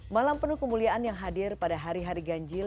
malam penuh kemuliaan yang hadir pada hari hari ganjil